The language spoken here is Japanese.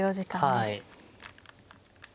はい。